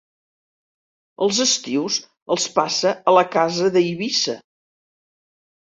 Els estius els passa a casa d'Eivissa.